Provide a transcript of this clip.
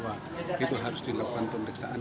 barang ini harus dilakukan pemeriksaan